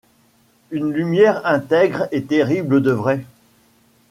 Une lumière intègre et terrible de vrai ;